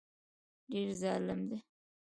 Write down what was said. ډېر ظالم دی